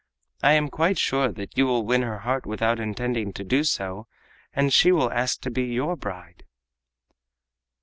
I am quite sure that you will win her heart without intending to do so, and she will ask to be your bride."